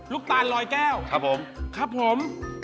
ตาลลอยแก้วครับผมครับผม